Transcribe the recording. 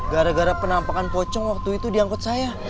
gara gara penampakan pocong waktu itu di angkot saya